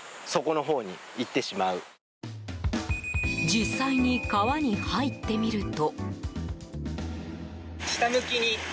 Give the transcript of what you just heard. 実際に川に入ってみると。